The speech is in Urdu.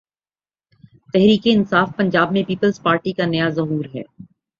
تحریک انصاف پنجاب میں پیپلز پارٹی کا نیا ظہور ہے۔